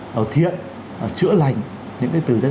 là thiện là chữa lành những cái từ rất